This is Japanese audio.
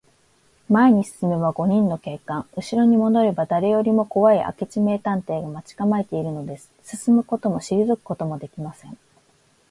前に進めば五人の警官、うしろにもどれば、だれよりもこわい明智名探偵が待ちかまえているのです。進むこともしりぞくこともできません。